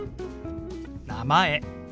「名前」。